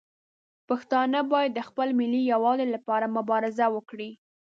پښتانه باید د خپل ملي یووالي لپاره مبارزه وکړي.